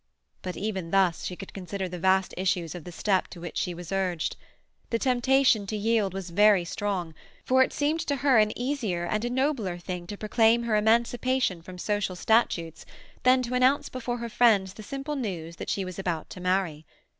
But even thus she could consider the vast issues of the step to which she was urged. The temptation to yield was very strong, for it seemed to her an easier and a nobler thing to proclaim her emancipation from social statutes than to announce before her friends the simple news that she was about to marry.